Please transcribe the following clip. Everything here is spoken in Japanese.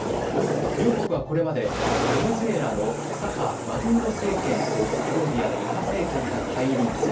両国はこれまでベネズエラの左派マドゥーロ政権とコロンビアの右派政権が対立。